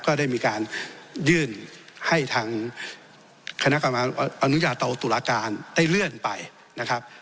ก็ได้มีการยื่นให้ทางคณะกรรมการอนุญาโตตุลาการได้เลื่อนไปนะครับ